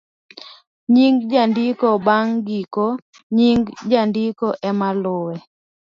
nying' jandiko.bang' giko ,nying' jandiko ema luwe